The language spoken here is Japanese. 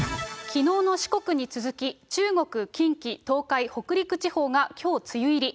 きのうの四国に続き、中国、近畿、東海、北陸地方がきょう梅雨入り。